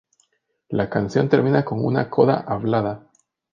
La canción termina con una coda hablada.